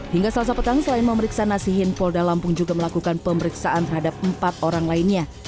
hingga selasa petang selain memeriksa nasihin polda lampung juga melakukan pemeriksaan terhadap empat orang lainnya